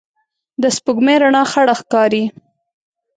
د سپوږمۍ رڼا خړه ښکاري